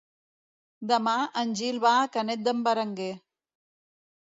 Demà en Gil va a Canet d'en Berenguer.